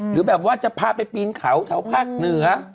หรือแบบว่าจะพาไปปีนเขาแถวภาคเหนือ